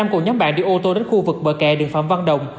năm cụ nhóm bạn đi ô tô đến khu vực bờ kè đường phạm văn đồng